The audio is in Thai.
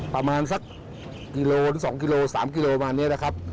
ประมาณสักกิโลหรือ๒กิโล๓กิโลประมาณนี้นะครับ